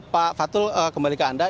pak fatul kembali ke anda